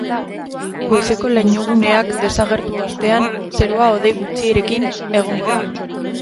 Goizeko lainoguneak desagertu ostean, zerua hodei gutxirekin egongo da.